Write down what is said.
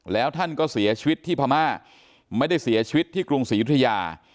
แล้วท่านก็เสียชีวิตที่พม่าไม่ได้เสียชีวิตที่กรุงศรียุธยา